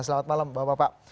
selamat malam bapak bapak